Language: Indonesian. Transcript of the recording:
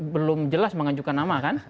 belum jelas mengajukan nama kan